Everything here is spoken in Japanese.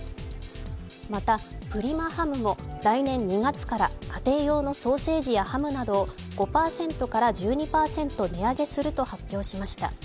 また、プリマハムも来年の２月から家庭用のソーセージやハムなどを５％から１２％値上げすると発表しました。